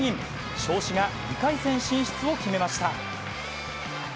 尚志が２回戦進出を決めました。